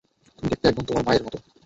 তুমি দেখতে একদম তোমার মায়ের মতো।